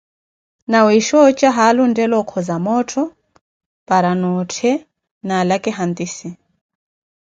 Nawiisha oja ossikhu, haalu ontthela okoza moottho, para noothe naalaka hantisse.